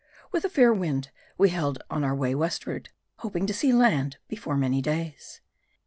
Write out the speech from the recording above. With a fair wind, we held on our way westward, hoping to see land before many days.